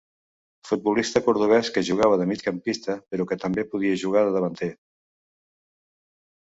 Futbolista cordovès que jugava de migcampista, però que també podia jugar de davanter.